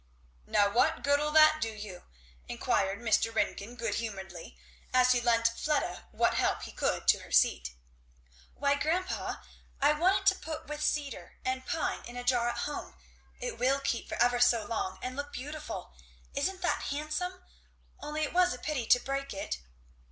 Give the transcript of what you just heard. "Now what good'll that do you?" inquired Mr. Ringgan good humouredly, as he lent Fleda what help he could to her seat. "Why grandpa, I want it to put with cedar and pine in a jar at home it will keep for ever so long, and look beautiful. Isn't that handsome? only it was a pity to break it."